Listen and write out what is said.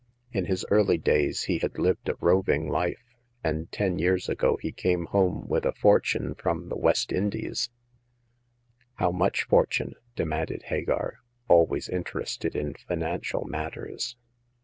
" In his early days he had lived a roving life, and ten years ago he came home with a fortune from the West Indies." The First Customer. 45 " How much fortune ?" demanded Hagar, always interested in financial matters.